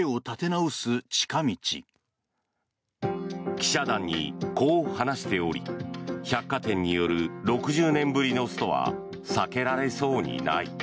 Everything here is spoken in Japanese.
記者団にこう話しており百貨店による６０年ぶりのストは避けられそうにない。